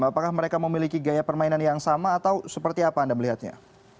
apakah mereka memiliki gaya permainan yang sama atau seperti apa anda melihatnya